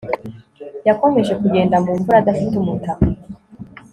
Yakomeje kugenda mu mvura adafite umutaka